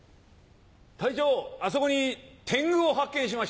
隊長あそこにてんぐを発見しました。